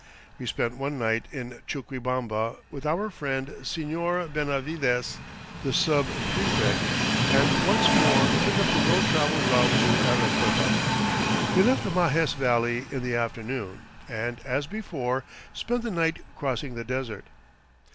We spent one night in Chuquibamba, with our friend Señor Benavides, the sub prefect, and once more took up the well traveled route to Arequipa. We left the Majes Valley in the afternoon and, as before, spent the night crossing the desert.